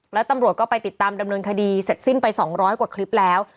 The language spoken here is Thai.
แล้วตำรวจก็ไปติดตามดำเนินคดีเสร็จสิ้นไป๒๐๐กว่าคลิปแล้ว